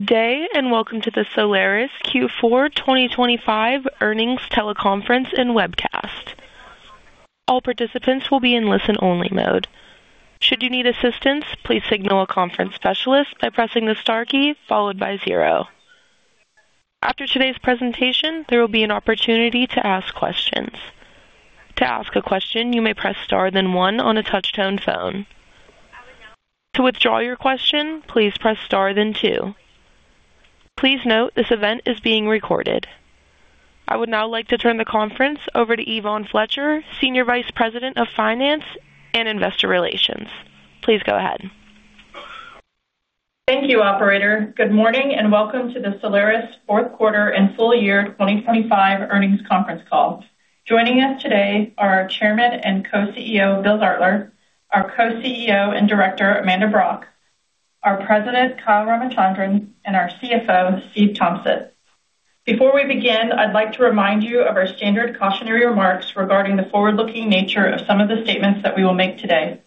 day, welcome to the Solaris Q4 2025 Earnings Teleconference and Webcast. All participants will be in listen-only mode. Should you need assistance, please signal a conference specialist by pressing the * key followed by 0. After today's presentation, there will be an opportunity to ask questions. To ask a question, you may press * then 1 on a touch-tone phone. To withdraw your question, please press * then 2. Please note, this event is being recorded. I would now like to turn the conference over to Yvonne Fletcher, Senior Vice President of Finance and Investor Relations. Please go ahead. Thank you, operator. Good morning, and welcome to the Solaris fourth quarter and full year 2025 earnings conference call. Joining us today are our Chairman and Co-CEO, Bill Zartler, our Co-CEO and Director, Amanda Brock, our President, Kyle Ramachandran, and our CFO, Stephen Tompsett. Before we begin, I'd like to remind you of our standard cautionary remarks regarding the forward-looking nature of some of the statements that we will make today.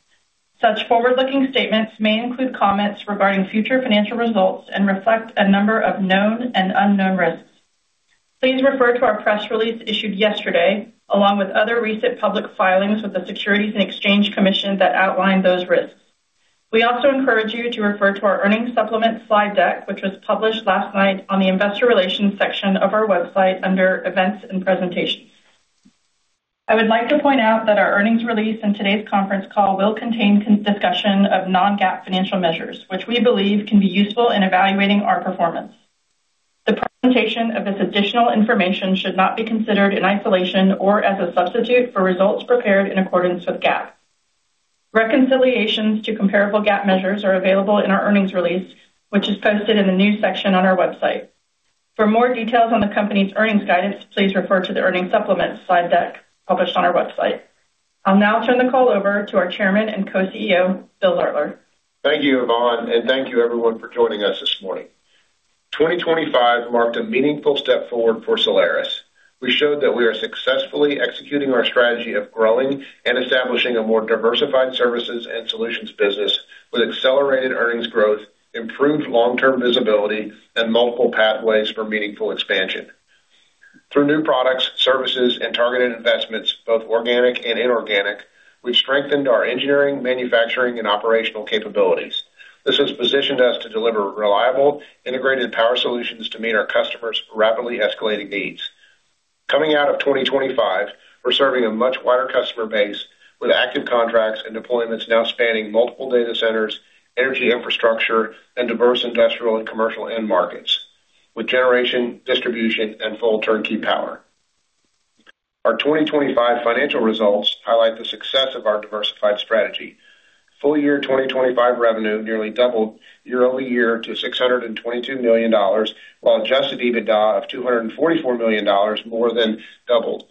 Such forward-looking statements may include comments regarding future financial results and reflect a number of known and unknown risks. Please refer to our press release issued yesterday, along with other recent public filings with the Securities and Exchange Commission that outline those risks. We also encourage you to refer to our earnings supplement slide deck, which was published last night on the Investor Relations section of our website under Events and Presentations. I would like to point out that our earnings release and today's conference call will contain discussion of non-GAAP financial measures, which we believe can be useful in evaluating our performance. The presentation of this additional information should not be considered in isolation or as a substitute for results prepared in accordance with GAAP. Reconciliations to comparable GAAP measures are available in our earnings release, which is posted in the new section on our website. For more details on the company's earnings guidance, please refer to the earnings supplement slide deck published on our website. I'll now turn the call over to our Chairman and Co-CEO, Bill Zartler. Thank you, Yvonne, and thank you everyone for joining us this morning. 2025 marked a meaningful step forward for Solaris. We showed that we are successfully executing our strategy of growing and establishing a more diversified services and solutions business with accelerated earnings growth, improved long-term visibility, and multiple pathways for meaningful expansion. Through new products, services, and targeted investments, both organic and inorganic, we've strengthened our engineering, manufacturing, and operational capabilities. This has positioned us to deliver reliable, integrated power solutions to meet our customers' rapidly escalating needs. Coming out of 2025, we're serving a much wider customer base, with active contracts and deployments now spanning multiple data centers, energy infrastructure, and diverse industrial and commercial end markets, with generation, distribution, and full turnkey power. Our 2025 financial results highlight the success of our diversified strategy. Full year 2025 revenue nearly doubled year-over-year to $622 million, while Adjusted EBITDA of $244 million more than doubled.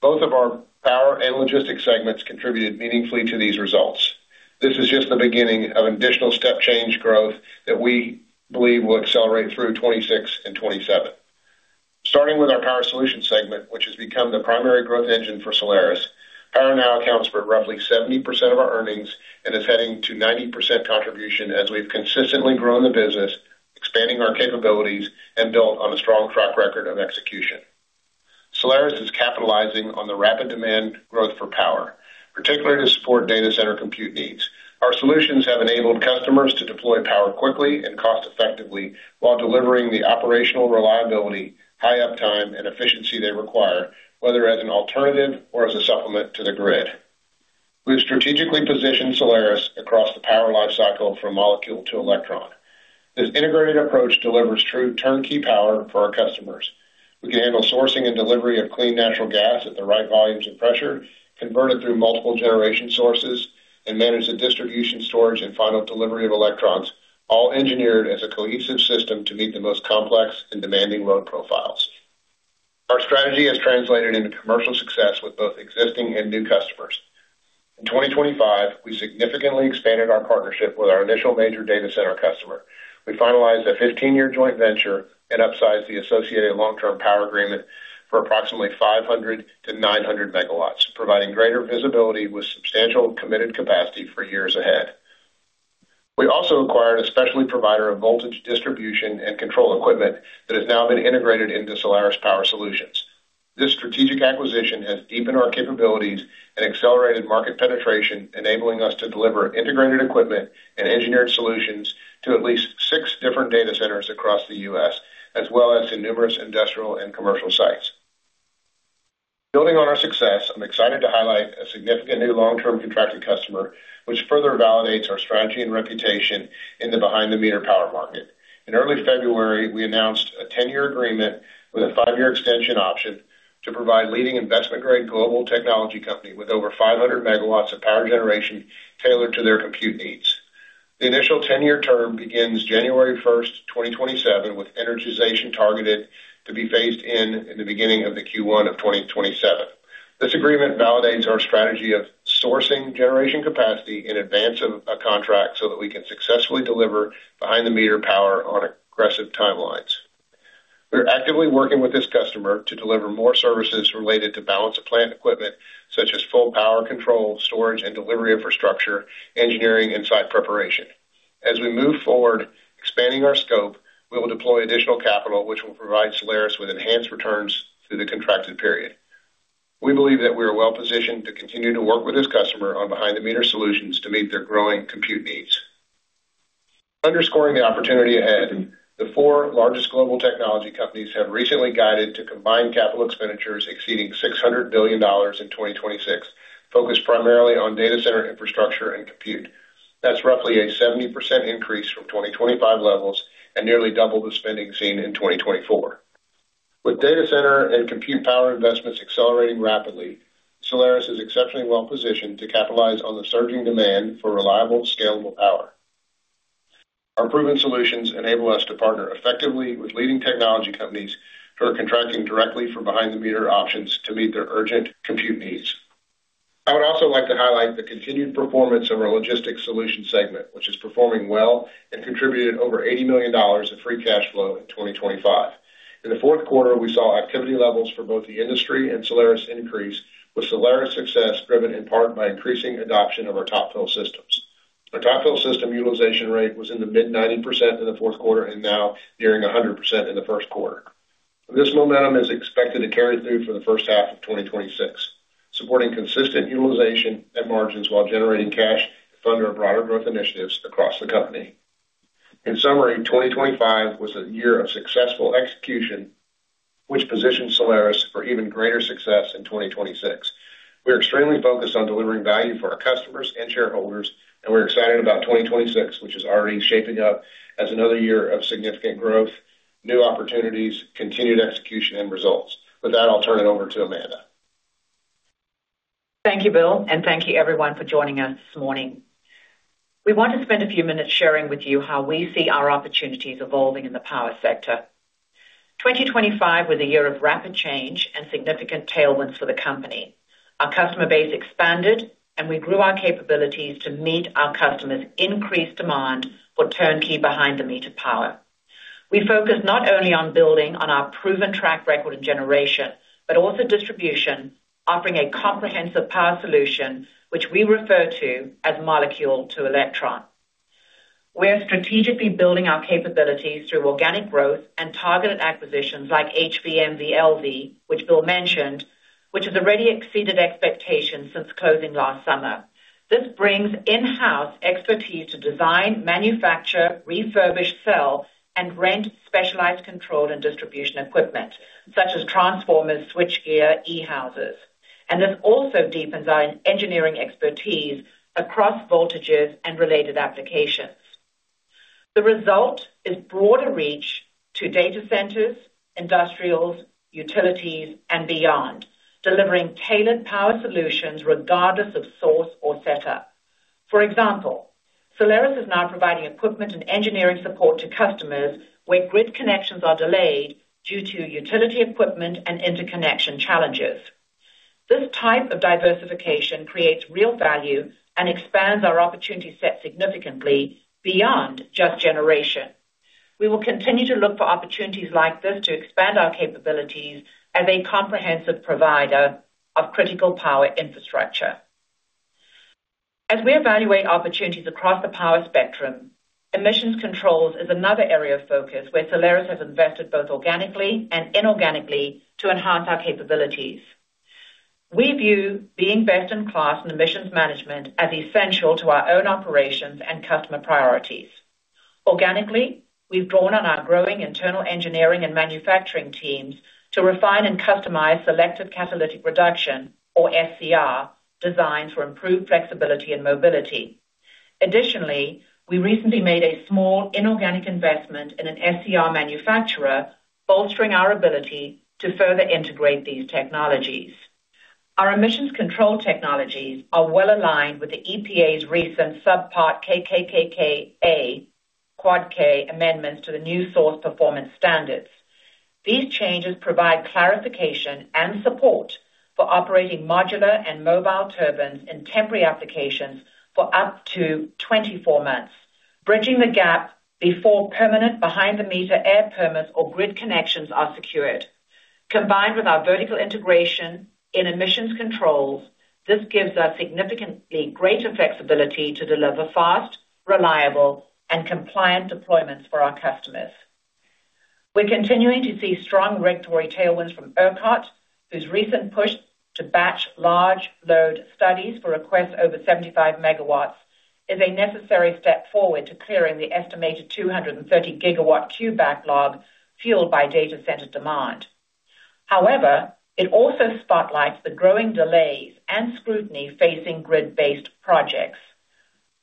Both of our power and logistics segments contributed meaningfully to these results. This is just the beginning of additional step change growth that we believe will accelerate through 2026 and 2027. Starting with our Solaris Power Solutions segment, which has become the primary growth engine for Solaris, power now accounts for roughly 70% of our earnings and is heading to 90% contribution as we've consistently grown the business, expanding our capabilities, and built on a strong track record of execution. Solaris is capitalizing on the rapid demand growth for power, particularly to support data center compute needs. Our solutions have enabled customers to deploy power quickly and cost effectively, while delivering the operational reliability, high uptime, and efficiency they require, whether as an alternative or as a supplement to the grid. We've strategically positioned Solaris across the power lifecycle from molecule to electron. This integrated approach delivers true turnkey power for our customers. We can handle sourcing and delivery of clean natural gas at the right volumes and pressure, convert it through multiple generation sources, and manage the distribution, storage, and final delivery of electrons, all engineered as a cohesive system to meet the most complex and demanding load profiles. Our strategy has translated into commercial success with both existing and new customers. In 2025, we significantly expanded our partnership with our initial major data center customer. We finalized a 15-year joint venture and upsized the associated long-term power agreement for approximately 500-900 MW, providing greater visibility with substantial committed capacity for years ahead. We also acquired a specialty provider of voltage distribution and control equipment that has now been integrated into Solaris Power Solutions. This strategic acquisition has deepened our capabilities and accelerated market penetration, enabling us to deliver integrated equipment and engineered solutions to at least six different data centers across the U.S., as well as to numerous industrial and commercial sites. Building on our success, I'm excited to highlight a significant new long-term contracted customer, which further validates our strategy and reputation in the behind-the-meter power market. In early February, we announced a 10-year agreement with a five-year extension option to provide leading investment-grade global technology company with over 500 MW of power generation tailored to their compute needs. The initial 10-year term begins January 1, 2027, with energization targeted to be phased in in the beginning of the Q1 of 2027. This agreement validates our strategy of sourcing generation capacity in advance of a contract so that we can successfully deliver behind-the-meter power on aggressive timelines. We are actively working with this customer to deliver more services related to balance of plant equipment, such as full power control, storage, and delivery infrastructure, engineering, and site preparation. We move forward, expanding our scope, we will deploy additional capital, which will provide Solaris with enhanced returns through the contracted period. We believe that we are well-positioned to continue to work with this customer on behind-the-meter solutions to meet their growing compute needs. Underscoring the opportunity ahead, the four largest global technology companies have recently guided to combine capital expenditures exceeding $600 billion in 2026, focused primarily on data center infrastructure and compute. That's roughly a 70% increase from 2025 levels and nearly double the spending seen in 2024. With data center and compute power investments accelerating rapidly, Solaris is exceptionally well-positioned to capitalize on the surging demand for reliable, scalable power. Our proven solutions enable us to partner effectively with leading technology companies who are contracting directly from behind-the-meter options to meet their urgent compute needs. I would also like to highlight the continued performance of our Logistics Solutions Segment, which is performing well and contributed over $80 million of free cash flow in 2025. In the fourth quarter, we saw activity levels for both the industry and Solaris increase, with Solaris success driven in part by increasing adoption of our Top Fill Systems. Our Top Fill System utilization rate was in the mid-90% in the fourth quarter and now nearing 100% in the first quarter. This momentum is expected to carry through for the first half of 2026, supporting consistent utilization and margins while generating cash to fund our broader growth initiatives across the company. In summary, 2025 was a year of successful execution, which positioned Solaris for even greater success in 2026. We're excited about 2026, which is already shaping up as another year of significant growth, new opportunities, continued execution, and results. With that, I'll turn it over to Amanda. Thank you, Bill, thank you everyone for joining us this morning. We want to spend a few minutes sharing with you how we see our opportunities evolving in the power sector. 2025 was a year of rapid change and significant tailwinds for the company. Our customer base expanded, and we grew our capabilities to meet our customers' increased demand for turnkey behind-the-meter power. We focused not only on building on our proven track record in generation, but also distribution, offering a comprehensive power solution, which we refer to as molecule to electron. We are strategically building our capabilities through organic growth and targeted acquisitions like HV/MV/LV, which Bill mentioned, which has already exceeded expectations since closing last summer. This brings in-house expertise to design, manufacture, refurbish, sell, and rent specialized control and distribution equipment, such as transformers, switchgear, E-houses, and this also deepens our engineering expertise across voltages and related applications. The result is broader reach to data centers, industrials, utilities, and beyond, delivering tailored power solutions regardless of source or setup. For example, Solaris is now providing equipment and engineering support to customers where grid connections are delayed due to utility equipment and interconnection challenges. This type of diversification creates real value and expands our opportunity set significantly beyond just generation. We will continue to look for opportunities like this to expand our capabilities as a comprehensive provider of critical power infrastructure. As we evaluate opportunities across the power spectrum, emissions controls is another area of focus where Solaris has invested, both organically and inorganically, to enhance our capabilities. We view being best-in-class in emissions management as essential to our own operations and customer priorities. Organically, we've drawn on our growing internal engineering and manufacturing teams to refine and customize Selective Catalytic Reduction, or SCR, designed for improved flexibility and mobility. Additionally, we recently made a small inorganic investment in an SCR manufacturer, bolstering our ability to further integrate these technologies. Our emissions control technologies are well aligned with the EPA's recent Subpart KKKKa, quad K, amendments to the New Source Performance Standards. These changes provide clarification and support for operating modular and mobile turbines in temporary applications for up to 24 months, bridging the gap before permanent behind-the-meter air permits or grid connections are secured. Combined with our vertical integration in emissions controls, this gives us significantly greater flexibility to deliver fast, reliable, and compliant deployments for our customers. We're continuing to see strong regulatory tailwinds from ERCOT, whose recent push to batch large load studies for requests over 75 MW is a necessary step forward to clearing the estimated 230 GW queue backlog fueled by data center demand. However, it also spotlights the growing delays and scrutiny facing grid-based projects.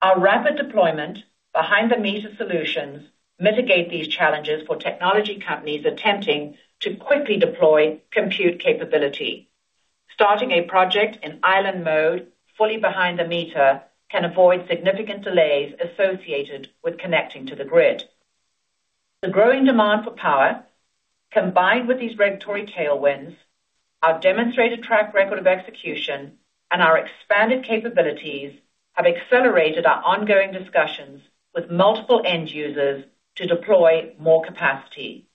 Our rapid deployment behind-the-meter solutions mitigate these challenges for technology companies attempting to quickly deploy compute capability. Starting a project in island mode, fully behind the meter, can avoid significant delays associated with connecting to the grid. The growing demand for power, combined with these regulatory tailwinds-... Our demonstrated track record of execution and our expanded capabilities have accelerated our ongoing discussions with multiple end users to deploy more capacity.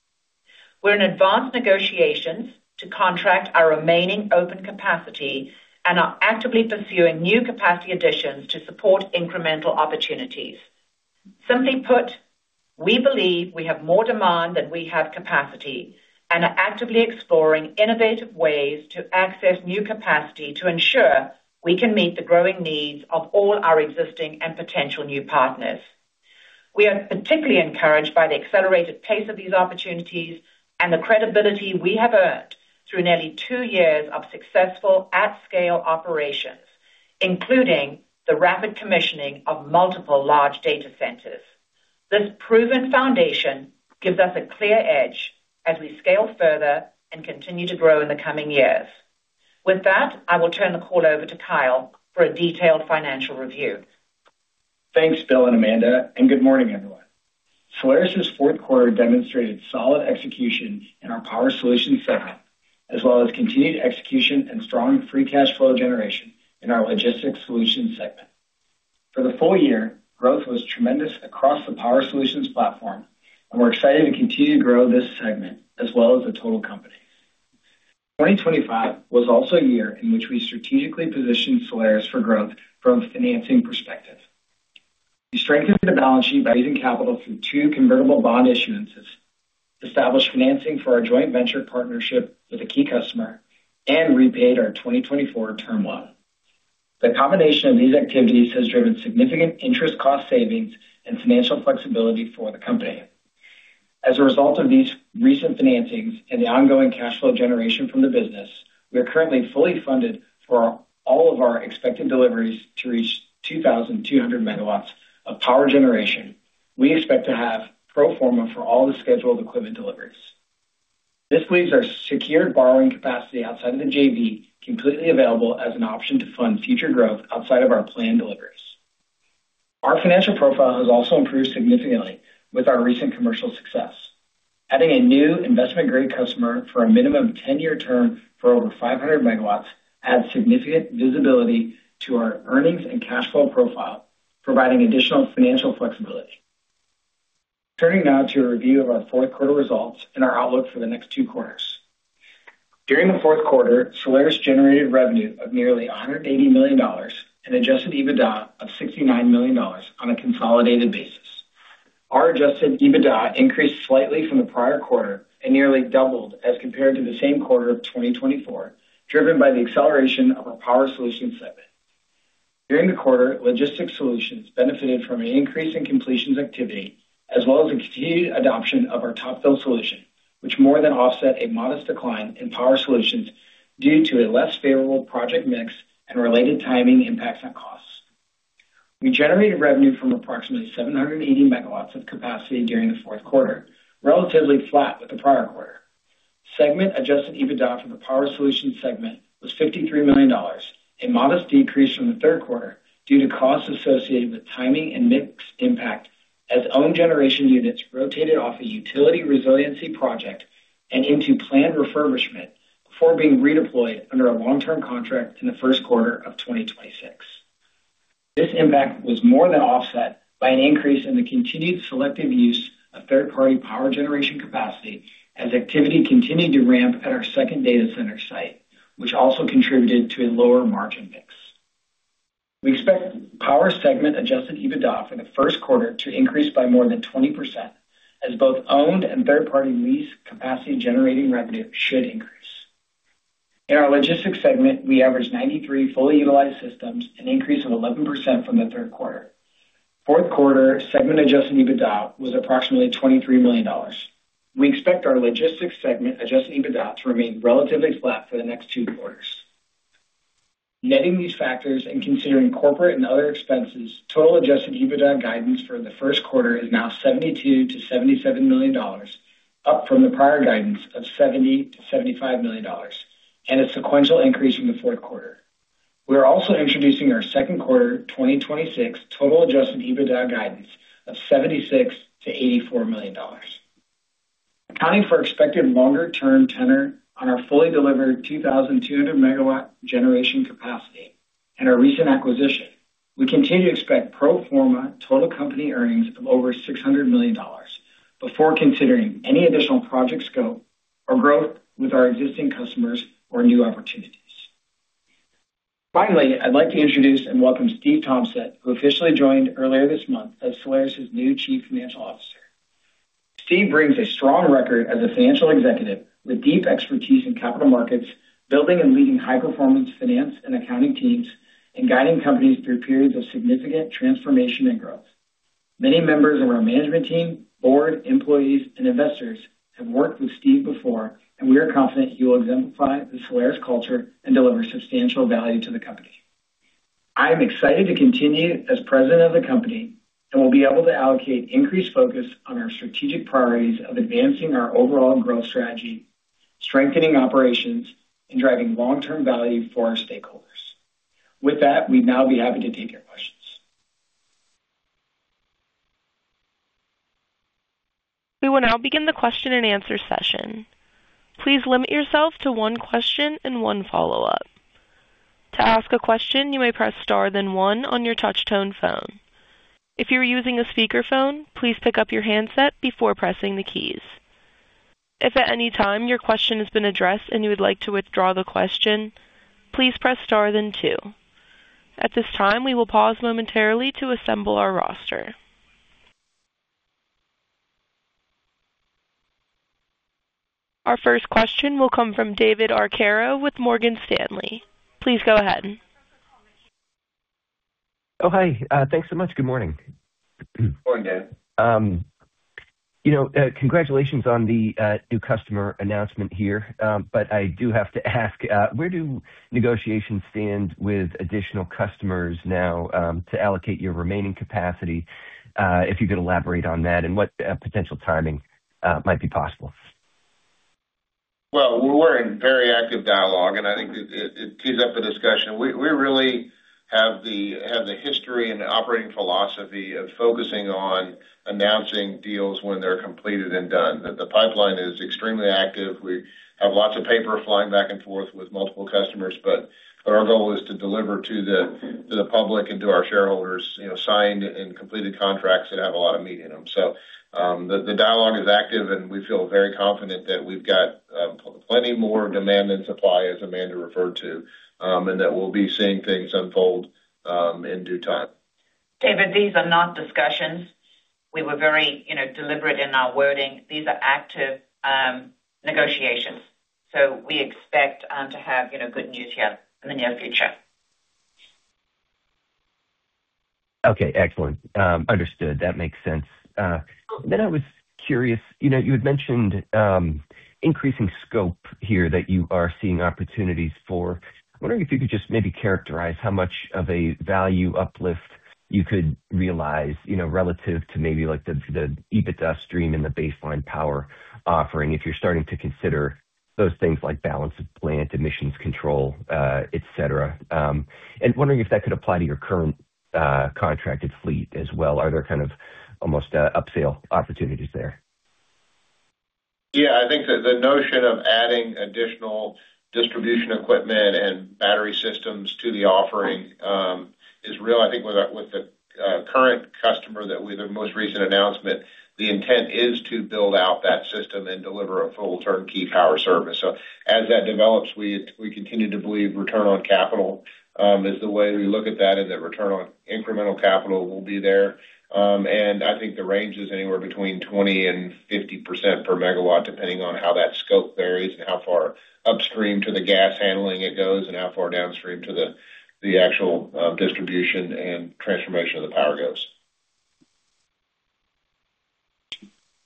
We're in advanced negotiations to contract our remaining open capacity and are actively pursuing new capacity additions to support incremental opportunities. Simply put, we believe we have more demand than we have capacity and are actively exploring innovative ways to access new capacity to ensure we can meet the growing needs of all our existing and potential new partners. We are particularly encouraged by the accelerated pace of these opportunities and the credibility we have earned through nearly 2 years of successful at-scale operations, including the rapid commissioning of multiple large data centers. This proven foundation gives us a clear edge as we scale further and continue to grow in the coming years. With that, I will turn the call over to Kyle for a detailed financial review. Thanks, Bill and Amanda, good morning, everyone. Solaris' 4th quarter demonstrated solid execution in our power solutions segment, as well as continued execution and strong free cash flow generation in our logistics solutions segment. For the full year, growth was tremendous across the power solutions platform, and we're excited to continue to grow this segment as well as the total company. 2025 was also a year in which we strategically positioned Solaris for growth from a financing perspective. We strengthened the balance sheet by raising capital through 2 convertible bond issuances, established financing for our joint venture partnership with a key customer, and repaid our 2024 term loan. The combination of these activities has driven significant interest cost savings and financial flexibility for the company. As a result of these recent financings and the ongoing cash flow generation from the business, we are currently fully funded for all of our expected deliveries to reach 2,200 MW of power generation. We expect to have pro forma for all the scheduled equipment deliveries. This leaves our secured borrowing capacity outside of the JV completely available as an option to fund future growth outside of our planned deliveries. Our financial profile has also improved significantly with our recent commercial success. Adding a new investment-grade customer for a minimum of 10-year term for over 500 MW adds significant visibility to our earnings and cash flow profile, providing additional financial flexibility. Turning now to a review of our fourth quarter results and our outlook for the next 2 quarters. During the fourth quarter, Solaris generated revenue of nearly $180 million and Adjusted EBITDA of $69 million on a consolidated basis. Our Adjusted EBITDA increased slightly from the prior quarter and nearly doubled as compared to the same quarter of 2024, driven by the acceleration of our Power Solutions segment. During the quarter, Logistics Solutions benefited from an increase in completions activity, as well as the continued adoption of our Top Fill System, which more than offset a modest decline in Power Solutions due to a less favorable project mix and related timing impacts on costs. We generated revenue from approximately 780 MW of capacity during the fourth quarter, relatively flat with the prior quarter. Segment Adjusted EBITDA for the power solutions segment was $53 million, a modest decrease from the third quarter due to costs associated with timing and mix impact, as own generation units rotated off a utility resiliency project and into planned refurbishment before being redeployed under a long-term contract in the first quarter of 2026. This impact was more than offset by an increase in the continued selective use of third-party power generation capacity, as activity continued to ramp at our second data center site, which also contributed to a lower margin mix. We expect power segment Adjusted EBITDA in the first quarter to increase by more than 20%, as both owned and third-party lease capacity generating revenue should increase. In our logistics segment, we averaged 93 fully utilized systems, an increase of 11% from the third quarter. fourth quarter segment Adjusted EBITDA was approximately $23 million. We expect our logistics segment Adjusted EBITDA to remain relatively flat for the next two quarters. Netting these factors and considering corporate and other expenses, total Adjusted EBITDA guidance for the first quarter is now $72 million-$77 million, up from the prior guidance of $70 million-$75 million, and a sequential increase from the fourth quarter. We are also introducing our second quarter 2026 total Adjusted EBITDA guidance of $76 million-$84 million. Accounting for expected longer-term tenor on our fully delivered 2,200 MW generation capacity and our recent acquisition, we continue to expect pro forma total company earnings of over $600 million before considering any additional project scope or growth with our existing customers or new opportunities. Finally, I'd like to introduce and welcome Steve Tompsett, who officially joined earlier this month as Solaris' new Chief Financial Officer. Steve brings a strong record as a financial executive with deep expertise in capital markets, building and leading high-performance finance and accounting teams, and guiding companies through periods of significant transformation and growth. Many members of our management team, board, employees, and investors have worked with Steve before, and we are confident he will exemplify the Solaris culture and deliver substantial value to the company. I am excited to continue as president of the company and will be able to allocate increased focus on our strategic priorities of advancing our overall growth strategy, strengthening operations, and driving long-term value for our stakeholders. With that, we'd now be happy to take your questions. We will now begin the question-and-answer session. Please limit yourself to one question and one follow-up. To ask a question, you may press * then 1 on your touchtone phone. If you're using a speakerphone, please pick up your handset before pressing the keys. If at any time your question has been addressed and you would like to withdraw the question, please press * then 2. At this time, we will pause momentarily to assemble our roster. Our first question will come from David Arcaro with Morgan Stanley. Please go ahead. Oh, hi. Thanks so much. Good morning. Good morning, Dave. You know, congratulations on the new customer announcement here. I do have to ask, where do negotiations stand with additional customers now, to allocate your remaining capacity? If you could elaborate on that and what potential timing might be possible. Well, we're in very active dialogue. I think it tees up the discussion. We really have the history and operating philosophy of focusing on announcing deals when they're completed and done. The pipeline is extremely active. We have lots of paper flying back and forth with multiple customers, but our goal is to deliver to the public and to our shareholders, you know, signed and completed contracts that have a lot of meat in them. The dialogue is active. We feel very confident that we've got plenty more demand than supply, as Amanda referred to, and that we'll be seeing things unfold in due time. David, these are not discussions. We were very, you know, deliberate in our wording. These are active negotiations. We expect to have, you know, good news here in the near future. Excellent. Understood. That makes sense. I was curious, you know, you had mentioned, increasing scope here that you are seeing opportunities for... I'm wondering if you could just maybe characterize how much of a value uplift you could realize, you know, relative to maybe like the EBITDA stream and the baseline power offering, if you're starting to consider those things like balance of plant, emissions control, et cetera. Wondering if that could apply to your current, contracted fleet as well. Are there kind of almost, upsale opportunities there? Yeah, I think the notion of adding additional distribution equipment and battery systems to the offering is real. I think with the current customer, with the most recent announcement, the intent is to build out that system and deliver a full turnkey power service. As that develops, we continue to believe return on capital is the way we look at that, and the return on incremental capital will be there. I think the range is anywhere between 20%-50% per megawatt, depending on how that scope varies and how far upstream to the gas handling it goes, and how far downstream to the actual distribution and transformation of the power goes.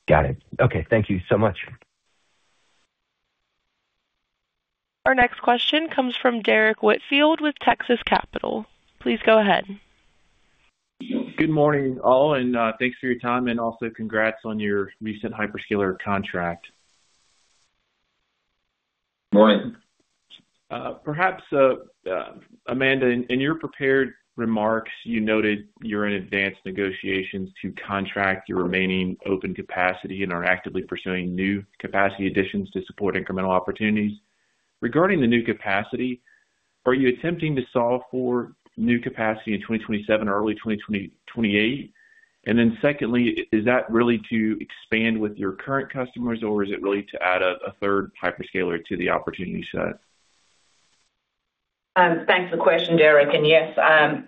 Got it. Okay. Thank you so much. Our next question comes from Derrick Whitfield with Texas Capital. Please go ahead. Good morning, all, and thanks for your time, and also congrats on your recent hyperscaler contract. Morning. Perhaps, Amanda, in your prepared remarks, you noted you're in advanced negotiations to contract your remaining open capacity and are actively pursuing new capacity additions to support incremental opportunities. Regarding the new capacity, are you attempting to solve for new capacity in 2027 or early 2028? Secondly, is that really to expand with your current customers, or is it really to add a third hyperscaler to the opportunity set? Thanks for the question, Derrick. Yes,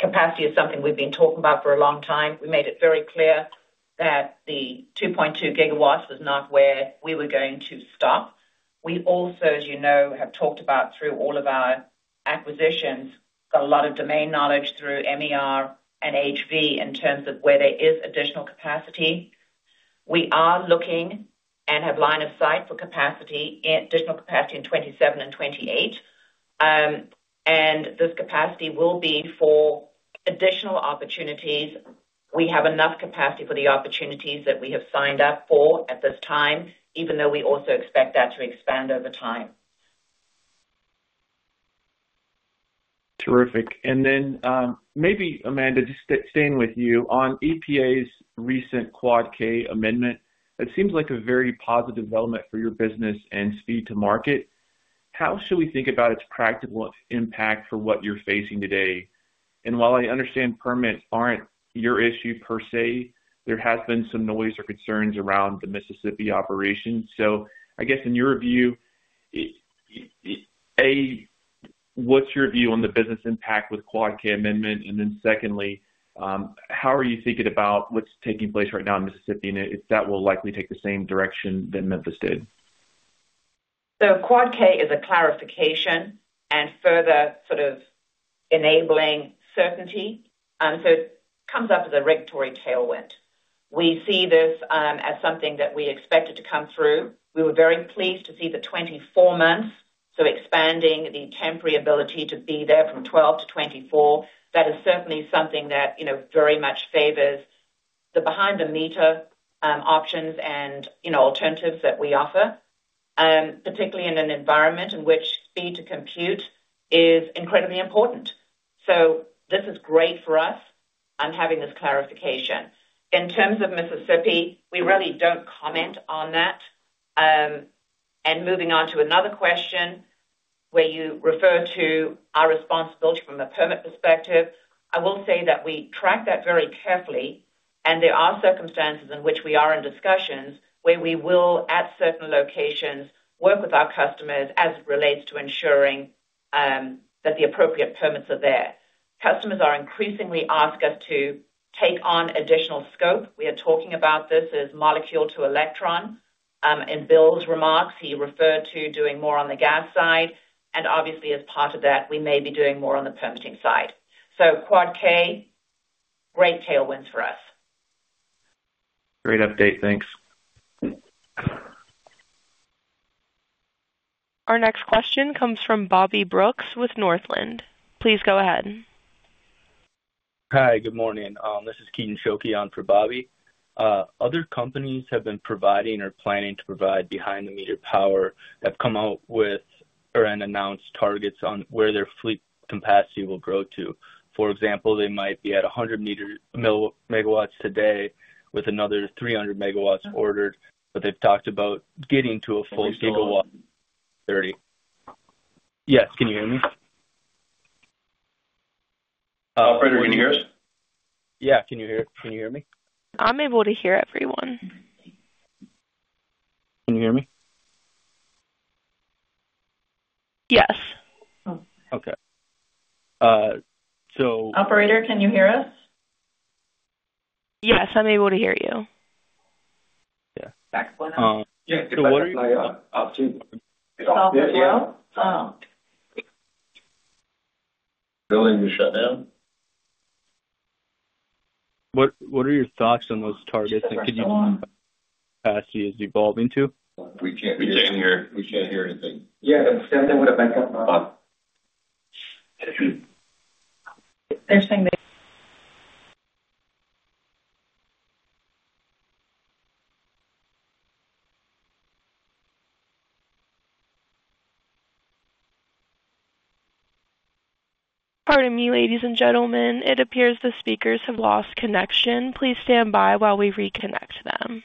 capacity is something we've been talking about for a long time. We made it very clear that the 2.2 GW was not where we were going to stop. We also, as you know, have talked about through all of our acquisitions, got a lot of domain knowledge through MER and HV in terms of where there is additional capacity. We are looking and have line of sight for capacity, additional capacity in 2027 and 2028, and this capacity will be for additional opportunities. We have enough capacity for the opportunities that we have signed up for at this time, even though we also expect that to expand over time. Terrific. Maybe Amanda, just staying with you on EPA's recent Quad K amendment, it seems like a very positive development for your business and speed to market. How should we think about its practical impact for what you're facing today? While I understand permits aren't your issue per se, there has been some noise or concerns around the Mississippi operation. I guess in your view, it, A, what's your view on the business impact with Quad K amendment? Secondly, how are you thinking about what's taking place right now in Mississippi, and if that will likely take the same direction that Memphis did? Subpart KKKK is a clarification and further sort of enabling certainty, it comes up as a regulatory tailwind. We see this as something that we expected to come through. We were very pleased to see the 24 months, so expanding the temporary ability to be there from 12 to 24. That is certainly something that, you know, very much favors the behind-the-meter options and, you know, alternatives that we offer, particularly in an environment in which speed to compute is incredibly important. This is great for us. I'm having this clarification. In terms of Mississippi, we really don't comment on that. Moving on to another question where you refer to our responsibility from a permit perspective, I will say that we track that very carefully, and there are circumstances in which we are in discussions where we will, at certain locations, work with our customers as it relates to ensuring that the appropriate permits are there. Customers are increasingly ask us to take on additional scope. We are talking about this as molecule to electron. In Bill's remarks, he referred to doing more on the gas side, and obviously as part of that, we may be doing more on the permitting side. Quad K, great tailwinds for us. Great update. Thanks. Our next question comes from Bobby Brooks with Northland. Please go ahead. Hi, good morning. This is Keaton Schuelke on for Bobby. Other companies have been providing or planning to provide behind-the-meter power and announced targets on where their fleet capacity will grow to. For example, they might be at 100 megawatts today with another 300 MW ordered, but they've talked about getting to a full 1 GW 30. Yes. Can you hear me? Operator, can you hear us? Yeah, can you hear me? I'm able to hear everyone. Can you hear me? Yes. Okay. Operator, can you hear us? Yes, I'm able to hear you. Yeah. Yeah. Building just shut down. What are your thoughts on those targets and could you capacity is evolving to? We can't hear. We can't hear anything. Yeah, something with a backup. Pardon me, ladies and gentlemen. It appears the speakers have lost connection. Please stand by while we reconnect them.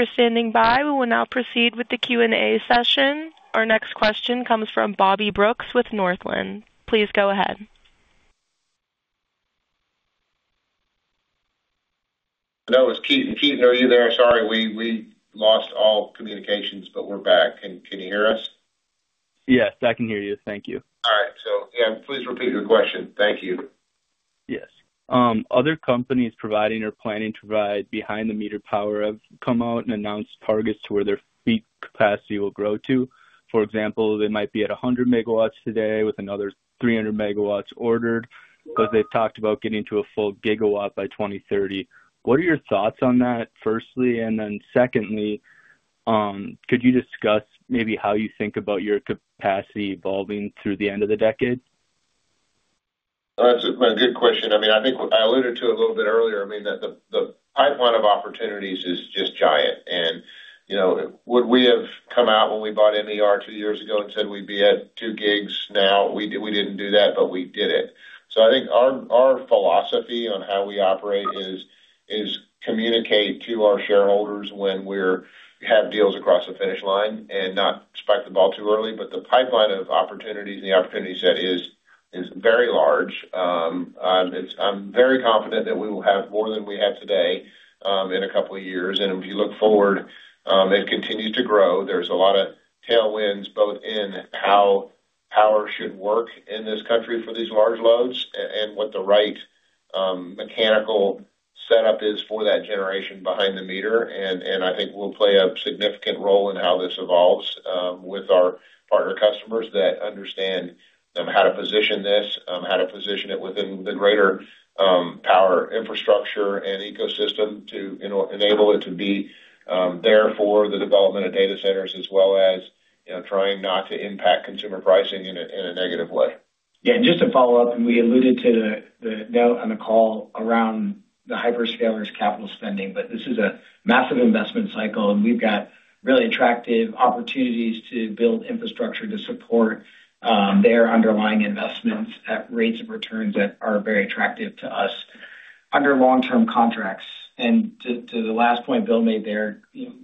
Thank you for standing by. We will now proceed with the Q&A session. Our next question comes from Bobby Brooks with Northland. Please go ahead. That was Keaton. Keaton, are you there? Sorry, we lost all communications, but we're back. Can you hear us? Yes, I can hear you. Thank you. All right. Yeah, please repeat your question. Thank you. Yes. Other companies providing or planning to provide behind-the-meter power have come out and announced targets to where their fleet capacity will grow to. For example, they might be at 100 MW today with another 300 MW ordered, but they've talked about getting to a full GW by 2030. What are your thoughts on that, firstly? Then secondly, could you discuss maybe how you think about your capacity evolving through the end of the decade? That's a good question. I mean, I think I alluded to it a little bit earlier. I mean, that the pipeline of opportunities is just giant. You know, would we have come out when we bought NER 2 years ago and said we'd be at 2 gigs now? We didn't do that, but we did it. I think our philosophy on how we operate is communicate to our shareholders when we're have deals across the finish line and not spike the ball too early. The pipeline of opportunities and the opportunity set is very large. I'm very confident that we will have more than we have today in a couple of years. If you look forward, it continues to grow. There's a lot of tailwinds, both in how power should work in this country for these large loads and what the right mechanical setup is for that generation behind the meter. I think we'll play a significant role in how this evolves with our partner customers that understand how to position this, how to position it within the greater power infrastructure and ecosystem to enable it to be there for the development of data centers, as well as, you know, trying not to impact consumer pricing in a negative way. Yeah, just to follow up, we alluded to the note on the call around the hyperscalers capital spending. This is a massive investment cycle; we've got really attractive opportunities to build infrastructure to support their underlying investments at rates of returns that are very attractive to us under long-term contracts. To the last point Bill made there,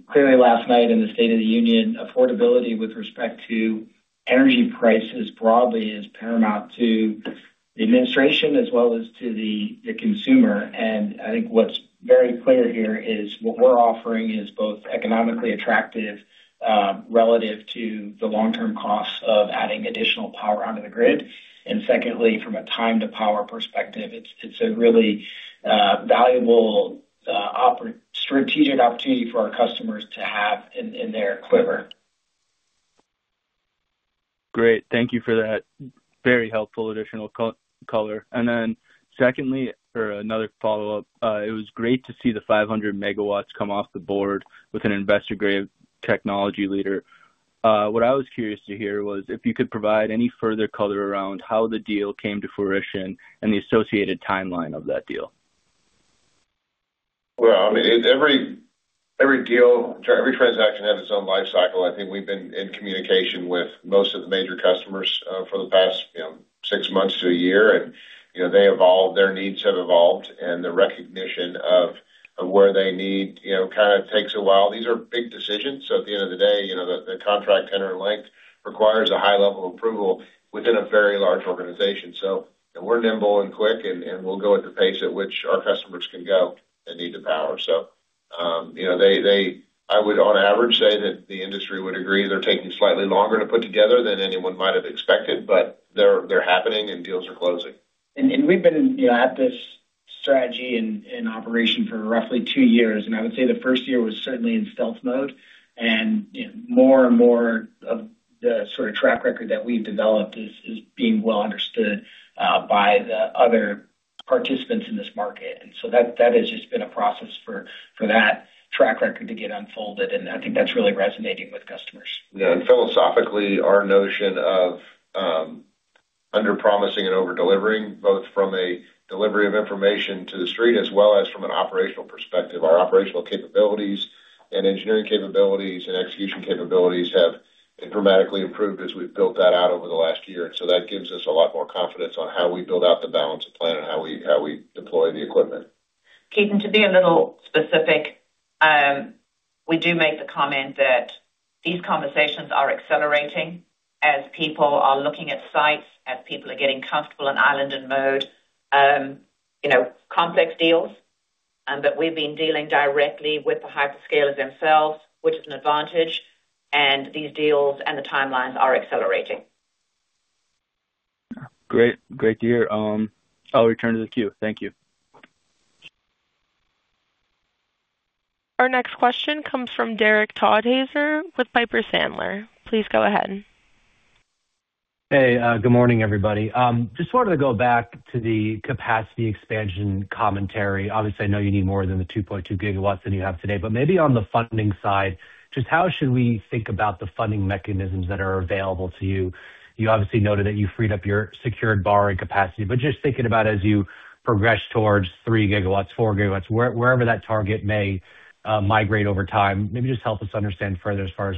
clearly last night in the State of the Union, affordability with respect to energy prices broadly is paramount to the administration as well as to the consumer. I think what's very clear here is what we're offering is both economically attractive relative to the long-term costs of adding additional power onto the grid. Secondly, from a time-to-power perspective, it's a really valuable strategic opportunity for our customers to have in their quiver. Great. Thank you for that. Very helpful additional color. Secondly, for another follow-up, it was great to see the 500 MW come off the board with an investor-grade technology leader. What I was curious to hear was if you could provide any further color around how the deal came to fruition and the associated timeline of that deal. I mean, every deal, every transaction has its own life cycle. I think we've been in communication with most of the major customers, for the past, you know, 6 months to a year, and, you know, they evolved, their needs have evolved, and the recognition of where they need, you know, kind of takes a while. These are big decisions, so at the end of the day, you know, the contract tenor length requires a high level of approval within a very large organization. We're nimble and quick, and we'll go at the pace at which our customers can go and need the power. You know, they, I would on average say that the industry would agree they're taking slightly longer to put together than anyone might have expected, but they're happening and deals are closing. And we've been, you know, at this strategy in operation for roughly 2 years, and I would say the first year was certainly in stealth mode. You know, more and more of the sort of track record that we've developed is being well understood by the other participants in this market. That, that has just been a process for that track record to get unfolded, and I think that's really resonating with customers. Yeah. Philosophically, our notion of underpromising and over delivering, both from a delivery of information to the street as well as from an operational perspective, our operational capabilities and engineering capabilities and execution capabilities have dramatically improved as we've built that out over the last year. That gives us a lot more confidence on how we build out the balance of plant and how we deploy the equipment. Keaton, to be a little specific, we do make the comment that these conversations are accelerating as people are looking at sites, as people are getting comfortable in islanded mode, you know, complex deals. We've been dealing directly with the hyperscalers themselves, which is an advantage, and these deals and the timelines are accelerating. Great. Great to hear. I'll return to the queue. Thank you. Our next question comes from Derek Podhaizer with Piper Sandler. Please go ahead. Good morning, everybody. Just wanted to go back to the capacity expansion commentary. Obviously, I know you need more than the 2.2 GW than you have today, maybe on the funding side, just how should we think about the funding mechanisms that are available to you? You obviously noted that you freed up your secured borrowing capacity, just thinking about as you progress towards 3 GW, 4 GW, wherever that target may migrate over time, maybe just help us understand further as far as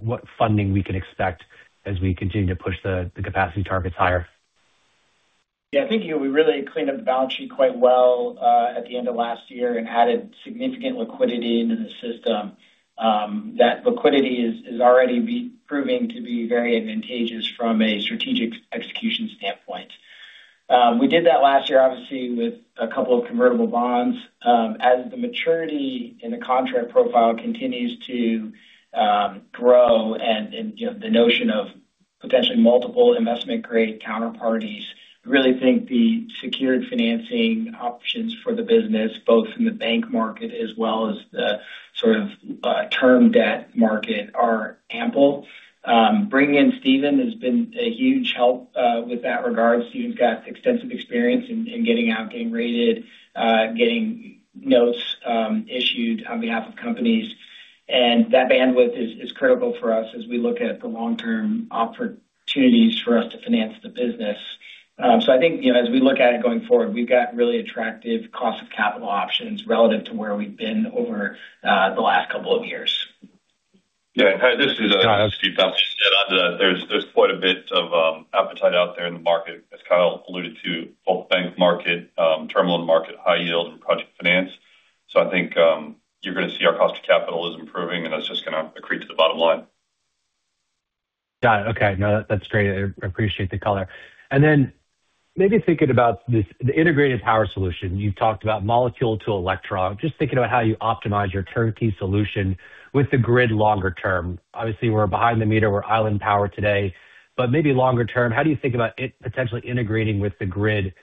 what funding we can expect as we continue to push the capacity targets higher. Yeah, I think, you know, we really cleaned up the balance sheet quite well at the end of last year and added significant liquidity into the system. That liquidity is already proving to be very advantageous from a strategic execution standpoint. We did that last year, obviously, with a couple of convertible bonds. As the maturity in the contract profile continues to grow and, you know, the notion of potentially multiple investment-grade counterparties, I really think the secured financing options for the business, both in the bank market as well as the sort of term debt market, are ample. Bringing in Stephen has been a huge help with that regard. Stephen's got extensive experience in getting out, getting rated, notes issued on behalf of companies. That bandwidth is critical for us as we look at the long-term opportunities for us to finance the business. I think, you know, as we look at it going forward, we've got really attractive cost of capital options relative to where we've been over the last couple of years. Yeah. Hi, this is Stephen Tompsett. There's quite a bit of appetite out there in the market, as Kyle alluded to, both bank market, terminal market, high yield, and project finance. I think, you're gonna see our cost of capital is improving, and that's just gonna accrete to the bottom line. Got it. Okay. No, that's great. I appreciate the color. Maybe thinking about this, the integrated power solution. You've talked about molecule to electron. Just thinking about how you optimize your turnkey solution with the grid longer term. Obviously, we're behind the meter, we're island power today, but maybe longer term, how do you think about it potentially integrating with the grid,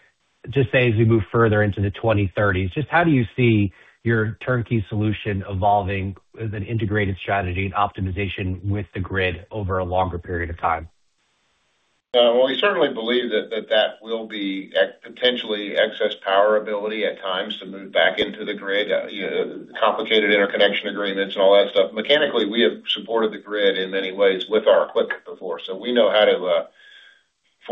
just say, as we move further into the 2030s? Just how do you see your turnkey solution evolving as an integrated strategy and optimization with the grid over a longer period of time? Well, we certainly believe that will be potentially excess power ability at times to move back into the grid, you know, complicated interconnection agreements and all that stuff. Mechanically, we have supported the grid in many ways with our equipment before, so we know how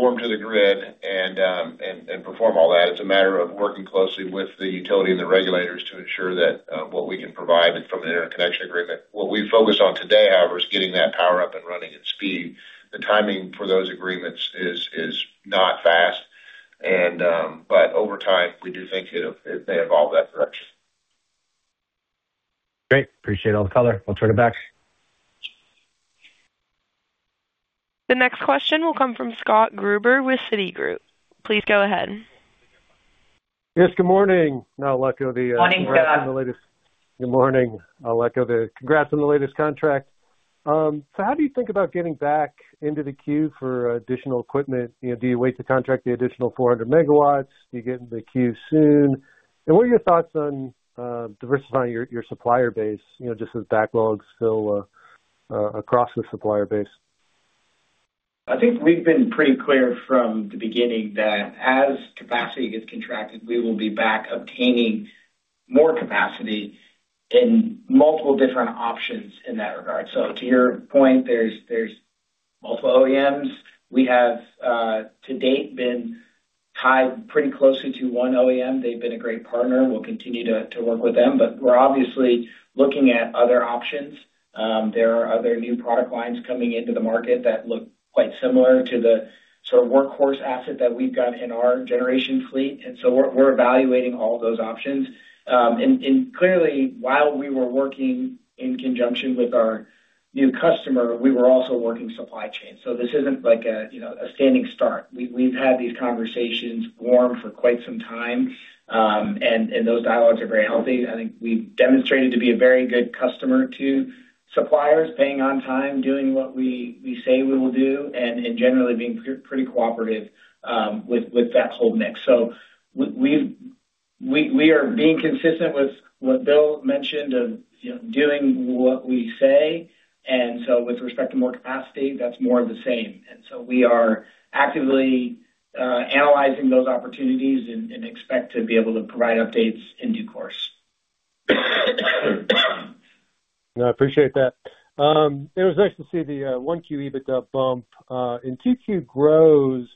to form to the grid and perform all that. It's a matter of working closely with the utility and the regulators to ensure that what we can provide from an interconnection agreement. What we focus on today, however, is getting that power up and running and speeding. The timing for those agreements is not fast. Over time, we do think it'll, it may evolve that direction. Great. Appreciate all the color. I'll turn it back. The next question will come from Scott Gruber with Citigroup. Please go ahead. Yes, good morning. Now, lucky of the. Morning, Scott. The latest. Good morning. I'll let go the congrats on the latest contract. How do you think about getting back into the queue for additional equipment? You know, do you wait to contract the additional 400 MW? Do you get in the queue soon? What are your thoughts on diversifying your supplier base, you know, just as backlogs fill across the supplier base? I think we've been pretty clear from the beginning that as capacity gets contracted, we will be back obtaining more capacity in multiple different options in that regard. To your point, there's multiple OEMs. We have, to date, been tied pretty closely to one OEM. They've been a great partner, and we'll continue to work with them, but we're obviously looking at other options. There are other new product lines coming into the market that look quite similar to the sort of workhorse asset that we've got in our generation fleet, and so we're evaluating all those options. Clearly, while we were working in conjunction with our new customer, we were also working supply chain. This isn't like a, you know, a standing start. We've had these conversations warm for quite some time, and those dialogues are very healthy. I think we've demonstrated to be a very good customer to suppliers, paying on time, doing what we say we will do, and generally being pretty cooperative with that whole mix. We are being consistent with what Bill mentioned of, you know, doing what we say, with respect to more capacity, that's more of the same. We are actively analyzing those opportunities and expect to be able to provide updates in due course. I appreciate that. It was nice to see the 1Q EBITDA bump and 2Q grows,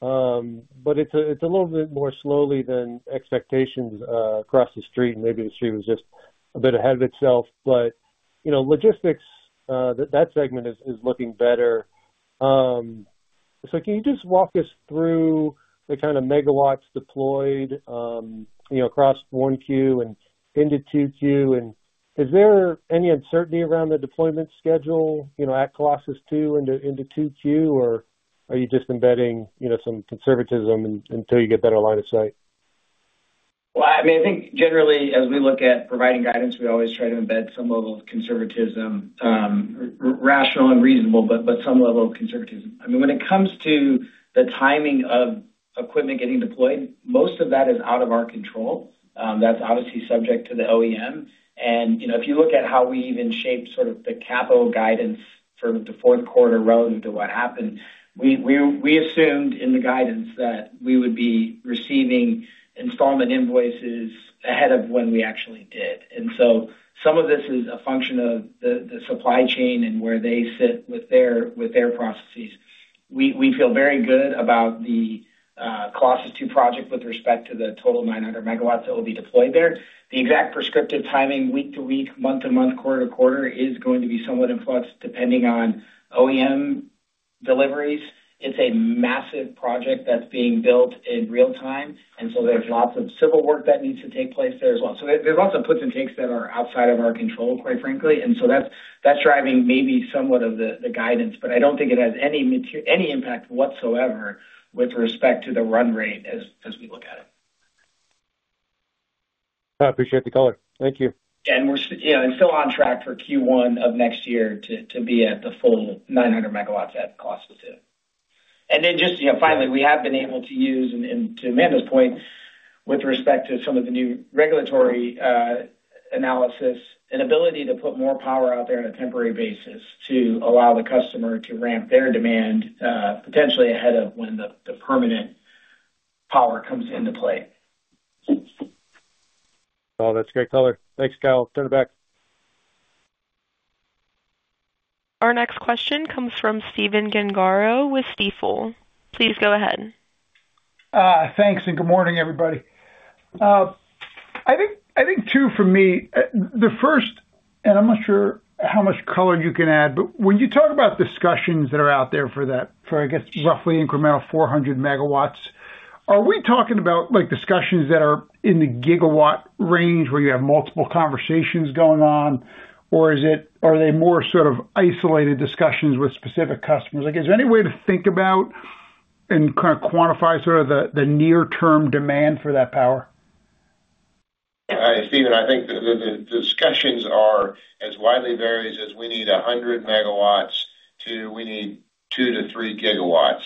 but it's a little bit more slowly than expectations across the street, and maybe the street was just a bit ahead of itself. You know, logistics, that segment is looking better. Can you just walk us through the kind of megawatts deployed, you know, across 1Q and into 2Q? Is there any uncertainty around the deployment schedule, you know, at Colossus II into 2Q, or are you just embedding, you know, some conservatism until you get better line of sight? I mean, I think generally as we look at providing guidance, we always try to embed some level of conservatism, rational and reasonable, but some level of conservatism. I mean, when it comes to the timing of equipment getting deployed, most of that is out of our control. That's obviously subject to the OEM. You know, if you look at how we even shaped sort of the capital guidance for the fourth quarter relative to what happened, we assumed in the guidance that we would be receiving installment invoices ahead of when we actually did. Some of this is a function of the supply chain and where they sit with their processes. We feel very good about the Colossus II project with respect to the total 900 MW that will be deployed there. The exact prescriptive timing, week to week, month to month, quarter to quarter, is going to be somewhat in flux, depending on OEM deliveries. It's a massive project that's being built in real time, there's lots of civil work that needs to take place there as well. There's lots of puts and takes that are outside of our control, quite frankly, that's driving maybe somewhat of the guidance, but I don't think it has any impact whatsoever with respect to the run rate as we look at it. I appreciate the color. Thank you. We're you know, and still on track for Q1 of next year to be at the full 900 MW at Colossus II. Just, you know, finally, we have been able to use, and to Amanda's point, with respect to some of the new regulatory.... analysis, an ability to put more power out there on a temporary basis to allow the customer to ramp their demand, potentially ahead of when the permanent power comes into play. Well, that's great color. Thanks, Kyle. Turn it back. Our next question comes from Stephen Gengaro with Stifel. Please go ahead. Thanks, and good morning, everybody. I think two for me. The first, and I'm not sure how much color you can add, but when you talk about discussions that are out there for that, for, I guess, roughly incremental 400 MW, are we talking about, like, discussions that are in the GW range, where you have multiple conversations going on? Or are they more sort of isolated discussions with specific customers? Like, is there any way to think about and kind of quantify sort of the near-term demand for that power? Steve, I think the, the discussions are as widely varied as we need 100 MW to we need 2-3 GW.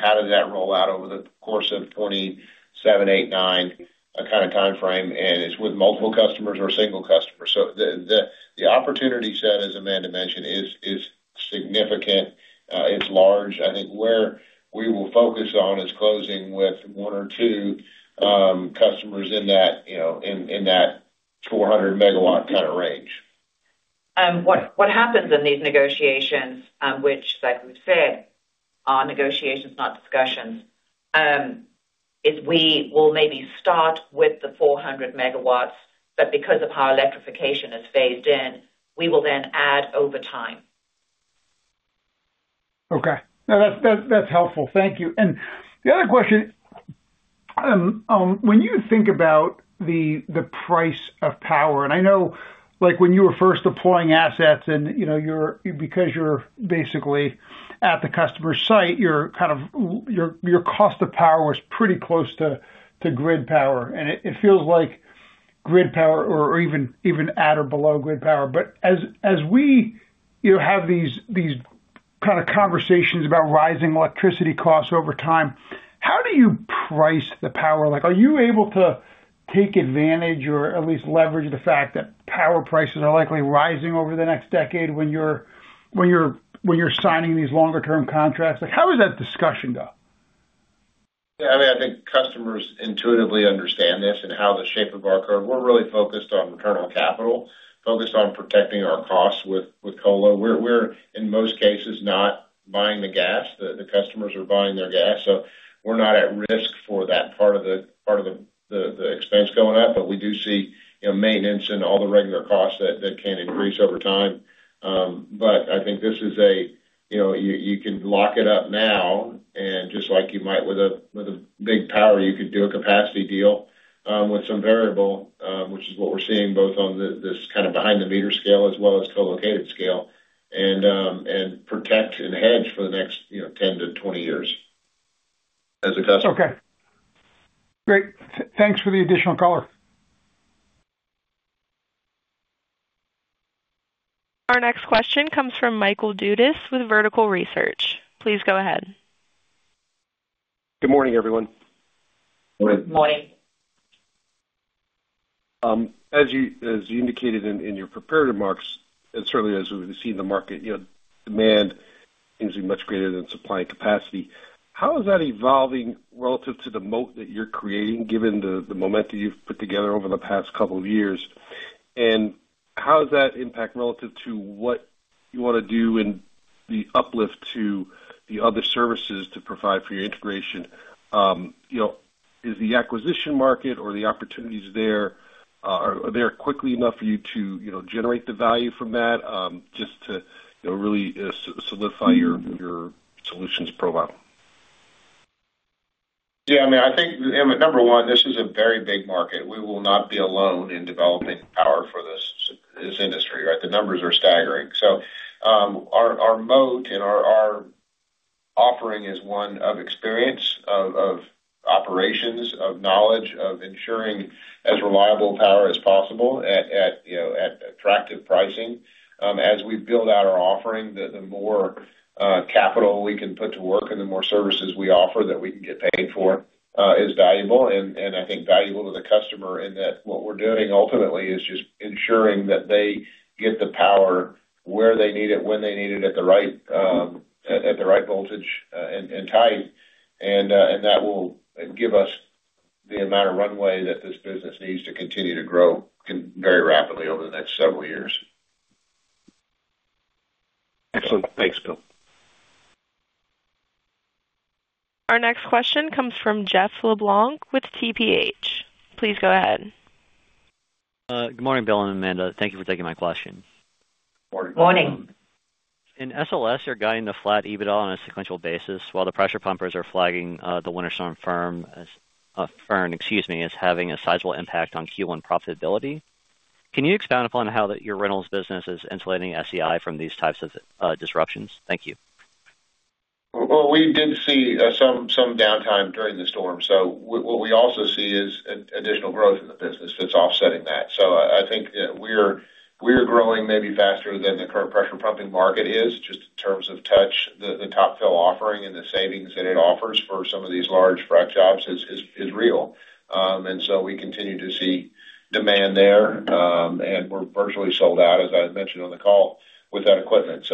How does that roll out over the course of 2027, 2028, 2029, kind of time frame, and it's with multiple customers or single customers. The, the opportunity set, as Amanda mentioned, is significant, it's large. I think where we will focus on is closing with one or two customers in that, you know, in that 400 MW kind of range. What happens in these negotiations, which, like we've said, are negotiations, not discussions, is we will maybe start with the 400 MG, but because the power electrification is phased in, we will then add over time. Okay. No, that's helpful. Thank you. The other question, when you think about the price of power, and I know, like, when you were first deploying assets and, you know, because you're basically at the customer site, your cost of power was pretty close to grid power, and it feels like grid power or even at or below grid power. As we, you know, have these kinds of conversations about rising electricity costs over time, how do you price the power? Like, are you able to take advantage or at least leverage the fact that power prices are likely rising over the next decade when you're signing these longer-term contracts? Like, how does that discussion go? Yeah, I mean, I think customers intuitively understand this and how the shape of our curve. We're really focused on return on capital, focused on protecting our costs with colo. We're in most cases, not buying the gas. The customers are buying their gas, so we're not at risk for that part of the expense going up. We do see, you know, maintenance and all the regular costs that can increase over time. I think this is a, you know, you can lock it up now, and just like you might with a, with a big power, you could do a capacity deal, with some variable, which is what we're seeing both on the, this kind of behind-the-meter scale as well as co-located scale, and protect and hedge for the next, you know, 10 to 20 years as a customer. Okay. Great. Thanks for the additional color. Our next question comes from Michael Dudas with Vertical Research. Please go ahead. Good morning, everyone. Good morning. Morning. As you indicated in your prepared remarks, and certainly as we've seen in the market, you know, demand seems to be much greater than supply and capacity. How is that evolving relative to the moat that you're creating, given the momentum you've put together over the past couple of years? How does that impact relative to what you want to do in the uplift to the other services to provide for your integration? You know, is the acquisition market or the opportunities there, are there quickly enough for you to, you know, generate the value from that, just to, you know, really solidify your solutions profile? Yeah, I mean, I think, I mean, number one, this is a very big market. We will not be alone in developing power for this industry, right? The numbers are staggering. Our moat and our offering is one of experience, of operations, of knowledge, of ensuring as reliable power as possible at, you know, at attractive pricing. As we build out our offering, the more capital we can put to work and the more services we offer that we can get paid for is valuable. I think valuable to the customer in that what we're doing ultimately is just ensuring that they get the power where they need it, when they need it, at the right voltage and type. That will give us the amount of runway that this business needs to continue to grow very rapidly over the next several years. Excellent. Thanks, Bill. Our next question comes from Jeff LeBlanc with TPH&Co.. Please go ahead. Good morning, Bill and Amanda. Thank you for taking my question. Morning. Morning. In SLS, you're guiding the flat EBITDA on a sequential basis, while the pressure pumpers are flagging, the winter storm firm, excuse me, as having a sizable impact on Q1 profitability. Can you expound upon how that your rentals business is insulating SEI from these types of disruptions? Thank you. Well, we did see some downtime during the storm. What we also see is an additional growth in the business that's offsetting that. I think we're growing maybe faster than the current pressure pumping market is, just in terms of touch, the Top Fill offering and the savings that it offers for some of these large frack jobs is real. We continue to see demand there, and we're virtually sold out, as I had mentioned on the call, with that equipment.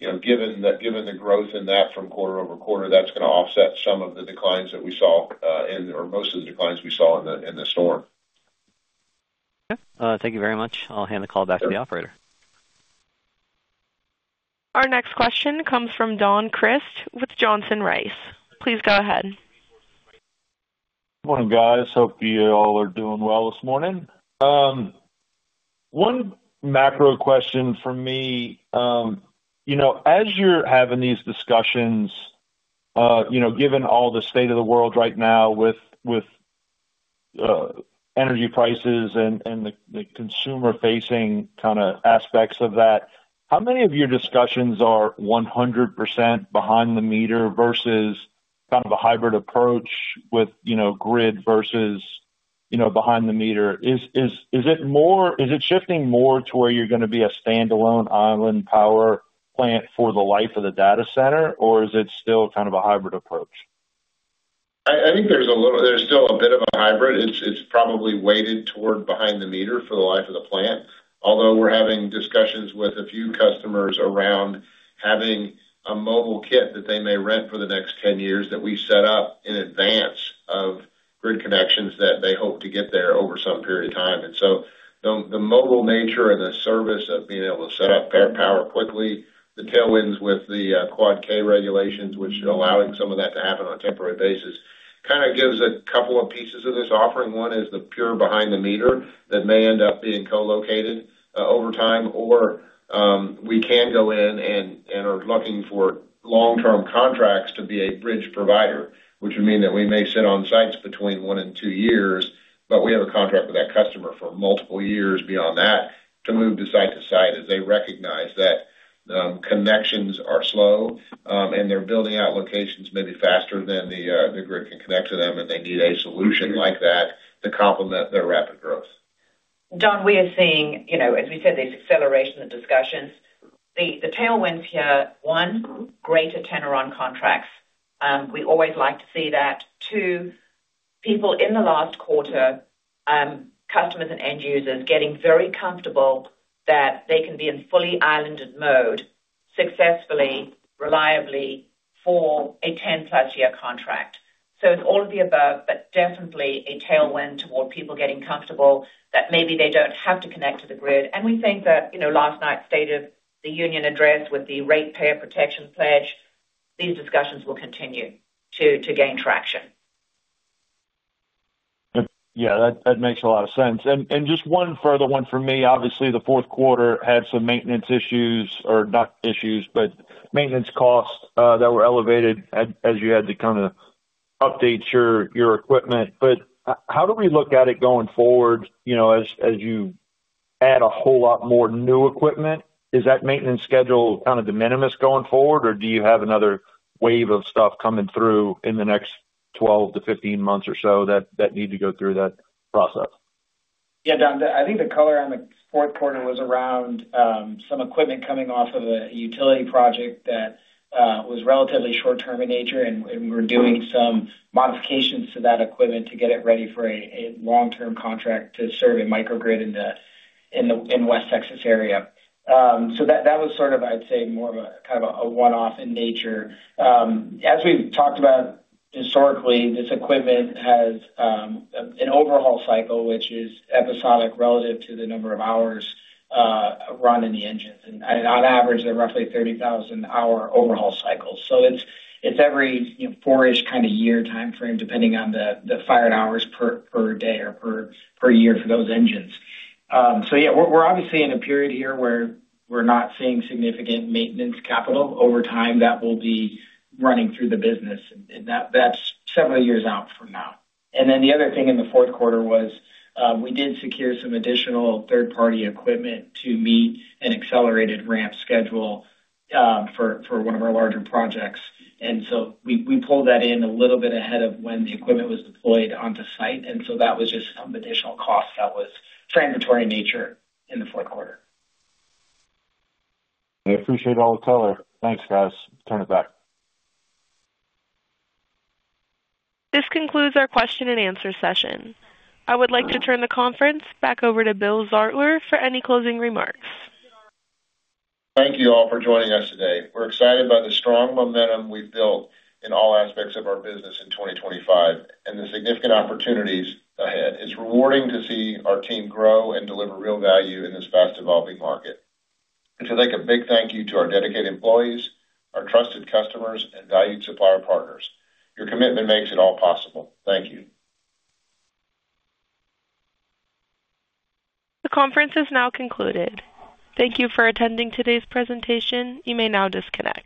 You know, given the growth in that from quarter-over-quarter, that's gonna offset some of the declines that we saw in, or most of the declines we saw in the storm. Okay, thank you very much. I'll hand the call back to the operator. Our next question comes from Don Crist with Johnson Rice. Please go ahead. Good morning, guys. Hope you all are doing well this morning. One macro question for me. You know, as you're having these discussions, you know, given all the state of the world right now with energy prices and the consumer-facing kind of aspects of that, how many of your discussions are 100% behind the meter versus kind of a hybrid approach with, you know, grid versus, you know, behind the meter? Is it shifting more to where you're gonna be a standalone island power plant for the life of the data center, or is it still kind of a hybrid approach? I think there's a little. There's still a bit of a hybrid. It's probably weighted toward behind-the-meter for the life of the plant. Although, we're having discussions with a few customers around having a mobile kit that they may rent for the next 10 years, that we set up in advance of grid connections that they hope to get there over some period of time. The mobile nature and the service of being able to set up their power quickly, the tailwinds with the Subpart KKKK regulations, which is allowing some of that to happen on a temporary basis, kinda gives a couple of pieces of this offering. One is the pure behind the meter that may end up being co-located, over time, or we can go in and are looking for long-term contracts to be a bridge provider, which would mean that we may sit on sites between one and two years, but we have a contract with that customer for multiple years beyond that, to move to site to site, as they recognize that connections are slow, and they're building out locations maybe faster than the grid can connect to them, and they need a solution like that to complement their rapid growth. Don, we are seeing, you know, as we said, this acceleration of discussions. The tailwinds here, one, greater tenured contracts. We always like to see that. Two, people in the last quarter, customers and end users getting very comfortable that they can be in fully islanded mode successfully, reliably for a 10-plus-year contract. It's all of the above, but definitely a tailwind toward people getting comfortable that maybe they don't have to connect to the grid. We think that, you know, last night's State of the Union Address with the Rate Payer Protection Pledge, these discussions will continue to gain traction. Yeah, that makes a lot of sense. Just one further one for me. Obviously, the fourth quarter had some maintenance issues, or not issues, but maintenance costs that were elevated as you had to kinda update your equipment. How do we look at it going forward, you know, as you add a whole lot more new equipment? Is that maintenance schedule kind of de minimis going forward, or do you have another wave of stuff coming through in the next 12 to 15 months or so that need to go through that process? Yeah, Don, I think the color on the fourth quarter was around some equipment coming off of a utility project that was relatively short term in nature, and we're doing some modifications to that equipment to get it ready for a long-term contract to serve a microgrid in the West Texas area. So that was sort of, I'd say, more of a kind of a one-off in nature. As we've talked about, historically, this equipment has an overhaul cycle, which is episodic relative to the number of hours run in the engines. And on average, they're roughly 30,000 hour overhaul cycles. So it's every, you know, four-ish kinda year timeframe, depending on the fired hours per day or per year for those engines. Yeah, we're obviously in a period here where we're not seeing significant maintenance capital. Over time, that will be running through the business, and that's several years out from now. Then the other thing in the fourth quarter was, we did secure some additional third-party equipment to meet an accelerated ramp schedule for one of our larger projects. We pulled that in a little bit ahead of when the equipment was deployed onto site, and so that was just some additional cost that was transitory in nature in the fourth quarter. I appreciate all the color. Thanks, guys. Turn it back. This concludes our question and answer session. I would like to turn the conference back over to Bill Zartler for any closing remarks. Thank you all for joining us today. We're excited by the strong momentum we've built in all aspects of our business in 2025 and the significant opportunities ahead. It's rewarding to see our team grow and deliver real value in this fast-developing market. To make a big thank you to our dedicated employees, our trusted customers, and valued supplier partners. Your commitment makes it all possible. Thank you. The conference is now concluded. Thank You for attending today's presentation. You may now disconnect.